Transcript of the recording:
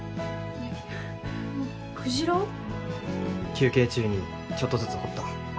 休憩中にちょっとずつ彫った。